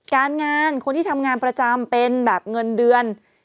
การงานคนที่ทำงานประจำเป็นแบบเงินเดือน